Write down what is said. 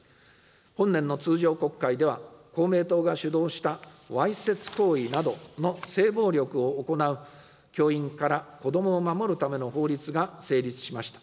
本年の通常国会では、公明党が主導したわいせつ行為などの性暴力を行う教員から子どもを守るための法律が成立しました。